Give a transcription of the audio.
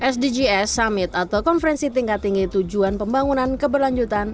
sdgs summit atau konferensi tingkat tinggi tujuan pembangunan keberlanjutan